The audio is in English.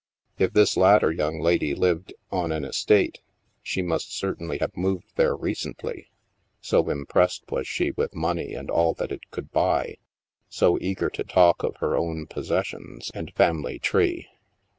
If this latter young lady lived on " an estate/' she must certainly have moved there recently — so im pressed was she with money and all that it could buy, so eager to talk of her own possessions and family tree.